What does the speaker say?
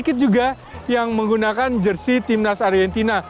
sedikit juga yang menggunakan jersi timnas argentina